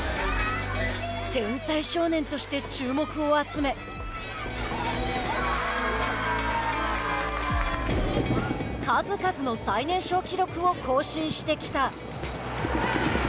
天才少年として注目を集め数々の最年少記録を更新してきた。